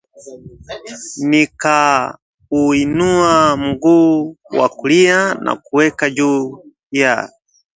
Nikauinua mguu wa kulia na kuuweka juu ya